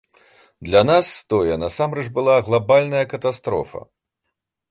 Для нас тое насамрэч была глабальная катастрофа.